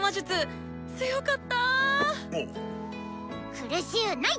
苦しゅうない！